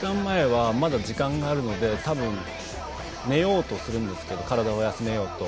まだ時間があるのでたぶん寝ようとするんですけど体を休めようと。